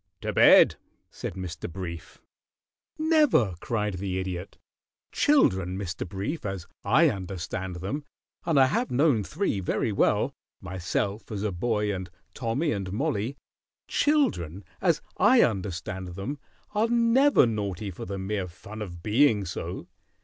"To bed," said Mr. Brief. "Never!" cried the Idiot. "Children, Mr. Brief, as I understand them and I have known three very well; myself as a boy, and Tommy and Mollie children, as I understand them, are never naughty for the mere fun of being so.